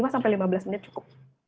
lima sampai lima belas menit cukup